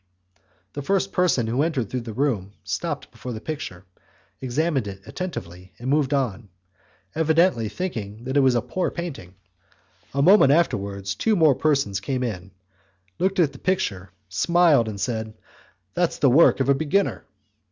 The first person who passed through the room stopped before the picture, examined it attentively, and moved on, evidently thinking that it was a poor painting; a moment afterwards two more persons came in, looked at the picture, smiled, and said, "That's the work of a beginner."